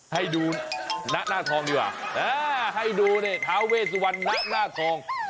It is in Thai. ให้ดูน่ะน่าทองดีกว่าอ่าให้ดูเนี้ยทาเวสวันน่ะน่าทอง